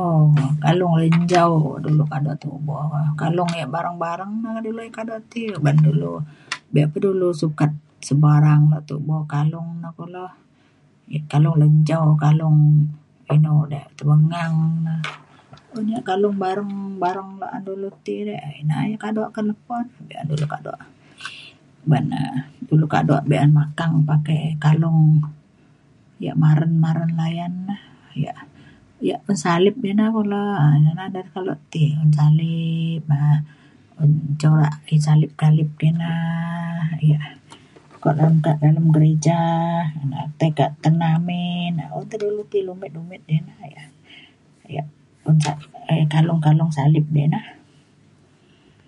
um kalung lenjau dulu kaduk tubo kalung ya' bareng-bareng dulu kaduk ti ban dulu be' pe dulu sukat sebarang tubo kalung ne kulu. kalung lenjau, kalung inu dik temenggang ne. un ya' kalung bareng-bareng ba'an dulu ti re' ina na kaduk du ke lepet kaduk. ban ne dulu kaduk be'un makang pakai kalung diak maren-maren layan na ya' ya' un salib ina ulo um ina na keluk ti. un salib um un corak ti salib salib kina ya' kok un dalem gereja na tai ke tena amin un te dulu ti dumit dumit ya un kalung-kalung salib ni na.